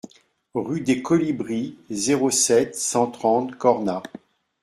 Rue des Colibris, zéro sept, cent trente Cornas